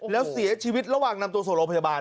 แล้วเสียชีวิตระหว่างนำตัวส่งโรงพยาบาล